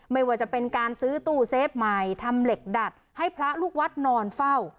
ไม่ว่าจะเป็นการซื้อตู้เซฟใหม่ทำเหล็กดัดให้พระลูกวัดนอนเฝ้า